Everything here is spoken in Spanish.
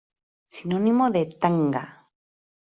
Sinónimo de "tanga".